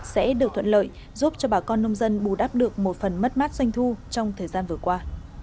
sẽ được thuận lợi giúp cho bà con nông dân bù đắp được một phần mất mát doanh thu trong thời gian vừa qua